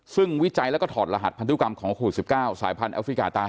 ซึ่งวิจัยแล้วก็ถอดรหัสพันธุกรรมของโควิด๑๙สายพันธุแอฟริกาใต้